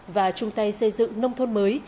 và trung tay xây dựng nông thôn mới